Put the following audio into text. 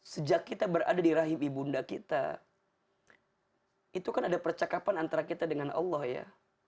sejak kita berada di rahim ibunda kita itu kan ada percakapan antara kita dengan allah ya